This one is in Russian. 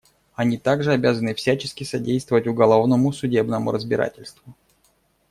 Они также обязаны всячески содействовать уголовному судебному разбирательству.